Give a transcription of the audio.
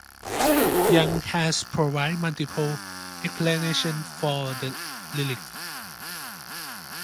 Young has provided multiple explanations for the lyrics.